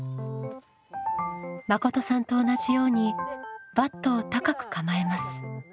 まことさんと同じようにバットを高く構えます。